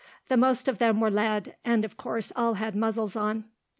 The most of them were led, and of course all had muzzles on.